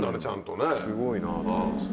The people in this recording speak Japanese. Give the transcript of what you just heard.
すごいなと思いました。